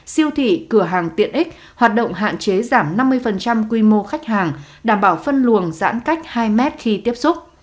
siêu thị cửa hàng tiện ích hoạt động hạn chế giảm năm mươi quy mô khách hàng đảm bảo phân luồng giãn cách hai mét khi tiếp xúc